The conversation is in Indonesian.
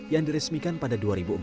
yang diresmikan pada dua ribu empat